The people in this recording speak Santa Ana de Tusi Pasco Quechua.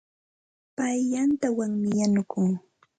Pay yantawanmi yanukun.